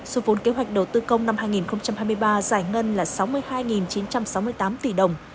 số vốn kế hoạch đầu tư công năm hai nghìn hai mươi ba giải ngân là sáu mươi hai chín trăm sáu mươi tám tỷ đồng